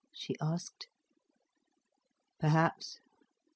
she asked. "Perhaps.